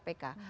nah itu ya